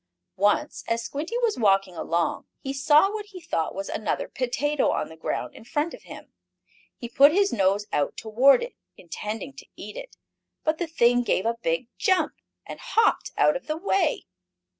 Once, as Squinty was walking along, he saw what he thought was another potato on the ground in front of him. He put his nose out toward it, intending to eat it, but the thing gave a big jump, and hopped out of the way.